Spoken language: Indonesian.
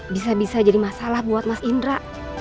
bisa bisa jadi masalah buat mas indra